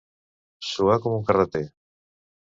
Suar com un carreter.